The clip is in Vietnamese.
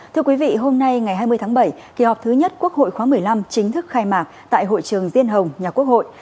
thưa quý vị hôm nay ngày hai mươi tháng bảy kỳ họp thứ nhất quốc hội khóa một mươi năm chính thức khai mạc tại hội trường diên hồng nhà quốc hội